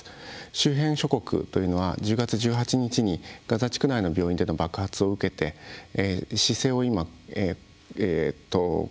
周辺諸国というのは１０月１８日にガザ地区内の病院内での爆発を受けて姿勢を硬化しているという状態にあるわけです。